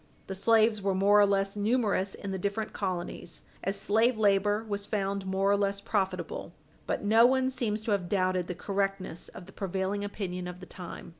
The slaves were more or less numerous in the different colonies as slave labor was found more or less profitable. But no one seems to have doubted the correctness of the prevailing opinion of the time.